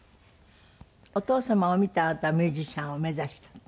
お父様を見てあなたはミュージシャンを目指したの？